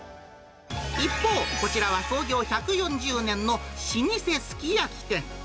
一方、こちらは創業１４０年の老舗すき焼き店。